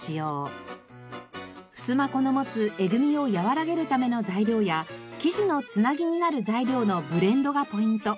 ふすま粉の持つえぐみを和らげるための材料や生地のつなぎになる材料のブレンドがポイント。